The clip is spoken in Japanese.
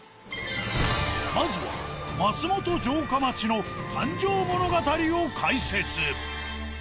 まずは松本城下町の誕生物語を解説。